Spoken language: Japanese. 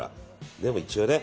でも一応ね。